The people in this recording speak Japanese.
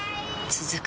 続く